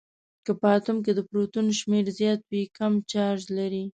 که په اتوم کې د پروتون شمیر زیات وي کوم چارج لري؟